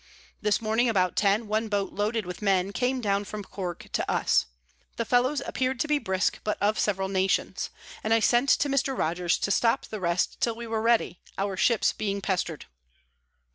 This Morning, about ten, one Boat loaded with Men came down from Cork to us. The Fellows appear'd to be brisk, but of several Nations; and I sent to Mr. Rogers to stop the rest till we were ready, our Ships being pester'd.